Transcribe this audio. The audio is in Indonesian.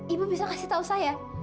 ibu bisa kasih tahu saya